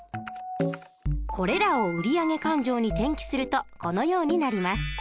これらを売上勘定に転記するとこのようになります。